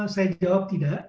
saya jawab tidak